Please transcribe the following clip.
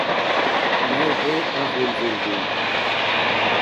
Наб хӀу гӀяхӀрилзулри